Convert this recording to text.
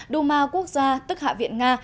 đô ma quốc gia tức hạ viện nga